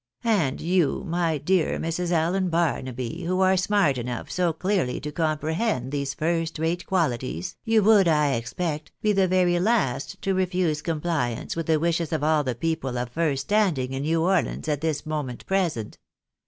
And you, my dear Mrs. Allen Ban, aby, who are smart enough so clearly to comprehend these first rate qualities, you would, I expect, be the very last to refuse compliance with the wishes of all the people of first standing in New Orleans at this moment present.